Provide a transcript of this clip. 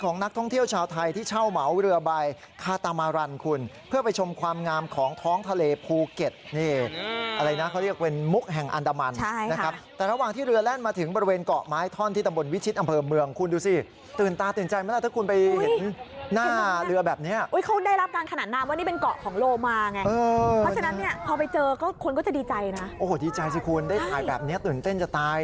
โอ้ยโอวะดีใจสิคุณได้ถ่ายแบบนี้ตื่นเต้นจะตาย